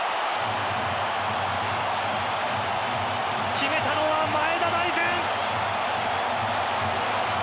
決めたのは前田大然。